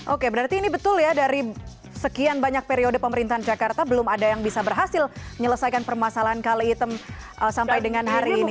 oke berarti ini betul ya dari sekian banyak periode pemerintahan jakarta belum ada yang bisa berhasil menyelesaikan permasalahan kali hitam sampai dengan hari ini